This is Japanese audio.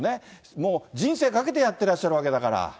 もう人生懸けてやってらっしゃるわけだから。